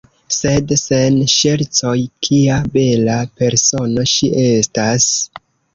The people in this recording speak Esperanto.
Sed sen ŝercoj, kia bela persono ŝi estas!